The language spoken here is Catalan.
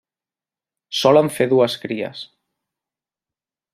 Solen fer dues cries.